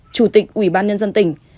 chủ tịch ủy ban nhân dân tỉnh